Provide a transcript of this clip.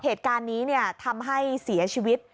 เหตุการณ์นี้ทำให้เสียชีวิต